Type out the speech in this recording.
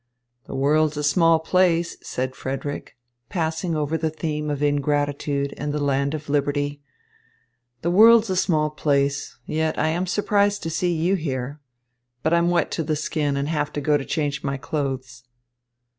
"The world's a small place," said Frederick, passing over the theme of ingratitude and the land of liberty, "the world's a small place. Yet I am surprised to see you here. But I'm wet to the skin, and have to go change my clothes."